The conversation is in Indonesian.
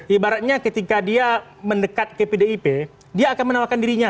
ibaratnya ketika dia mendekat ke pdip dia akan menawarkan dirinya